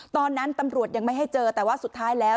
ตอนนั้นตำรวจยังไม่ให้เจอแต่ว่าสุดท้ายแล้ว